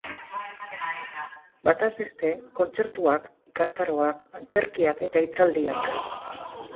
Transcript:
Bataz beste, kontzertuak, ikastaroak, antzerkiak eta hitzaldiak.